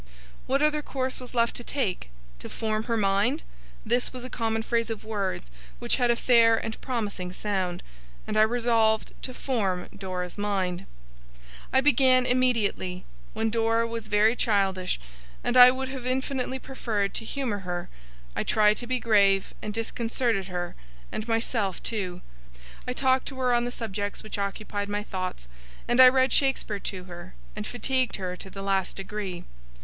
What other course was left to take? To 'form her mind'? This was a common phrase of words which had a fair and promising sound, and I resolved to form Dora's mind. I began immediately. When Dora was very childish, and I would have infinitely preferred to humour her, I tried to be grave and disconcerted her, and myself too. I talked to her on the subjects which occupied my thoughts; and I read Shakespeare to her and fatigued her to the last degree.